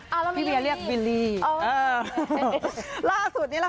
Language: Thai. ชื่อวีลลี่